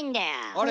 あれ？